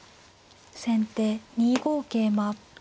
先手２五桂馬。